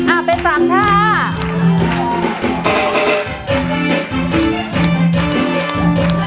อ่าเป็นสามชา